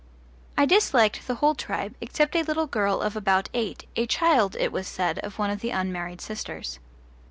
I disliked the whole tribe, except a little girl of about eight, a child, it was said, of one of the unmarried sisters.